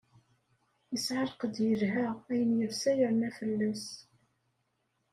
Yesɛa lqedd yelha, ayen yelsa yerna fell-as.